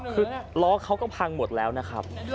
คือล้อเขาก็พังหมดแล้วนะครับ